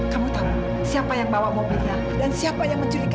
kamu tahu siapa yang bawa mobilnya dan siapa yang menculikan